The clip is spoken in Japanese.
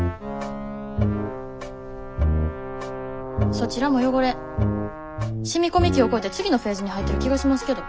そちらも汚れ染み込み期を越えて次のフェーズに入ってる気がしますけど。